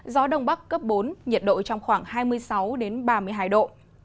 gió đông bắc cấp bốn nhiệt độ trong khoảng hai mươi sáu ba mươi hai độ